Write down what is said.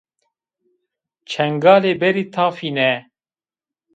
Çengalê berî tafîne!